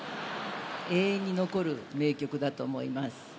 永遠に残る名曲だと思います。